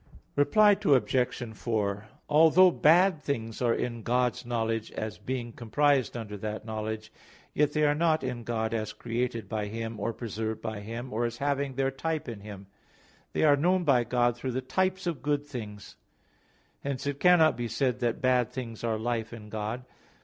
Reply Obj. 4: Although bad things are in God's knowledge, as being comprised under that knowledge, yet they are not in God as created by Him, or preserved by Him, or as having their type in Him. They are known by God through the types of good things. Hence it cannot be said that bad things are life in God.